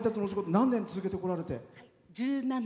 何年続けてこられて？